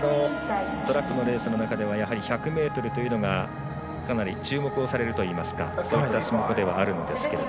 トラックのレースの中では１００ｍというのがかなり注目されるといいますかそういった種目ではあるんですが。